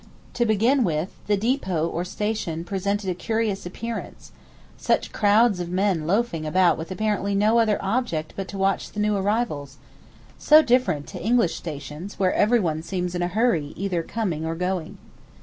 To begin with, the depot or station presented a curious appearance, such crowds of men loafing about with apparently no other object but to watch the new arrivals; so different to English stations where everyone seems in a hurry either coming or going.